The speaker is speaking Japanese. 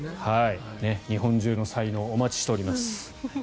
日本中の才能をお待ちしております。